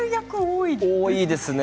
多いですね